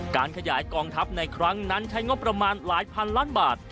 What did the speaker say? การขยายกองทัพในครั้งนั้นใช้งบประมาณหลายพันล้านบาท